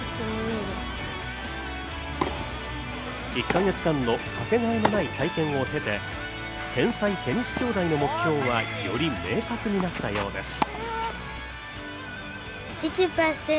１カ月間のかけがえいのない体験を経て天才テニス兄弟の目標はより明確になったようです。